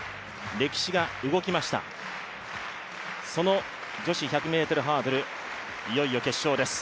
歴史が動きました、その女子１００ｍハードル、いよいよ決勝です。